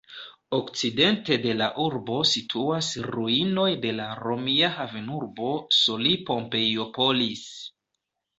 Okcidente de la urbo situas ruinoj de la romia havenurbo Soli-Pompeiopolis.